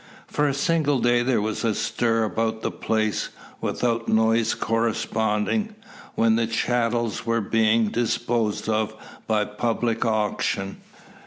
For a single day there was a stir about the place, with noise corresponding, when the chattels were being disposed of by public auction.